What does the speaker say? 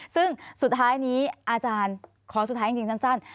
ซึ่งสุดท้ายนี้อาจารย์ขอสุดท้ายจริงสั้น